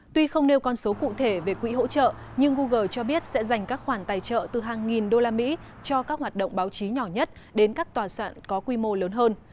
tuy không nêu con số cụ thể về quỹ hỗ trợ nhưng google cho biết sẽ dành các khoản tài trợ từ hàng nghìn đô la mỹ cho các hoạt động báo chí nhỏ nhất đến các tòa soạn có quy mô lớn hơn